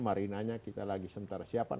marinanya kita lagi sementara siapan